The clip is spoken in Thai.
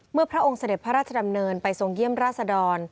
พระองค์เสด็จพระราชดำเนินไปทรงเยี่ยมราชดร